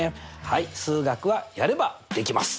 はい数学はやればできます！